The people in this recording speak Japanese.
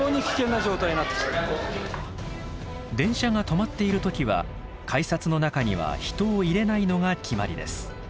電車が止まっている時は改札の中には人を入れないのが決まりです。